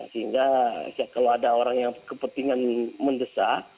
sehingga kalau ada orang yang kepentingan mendesak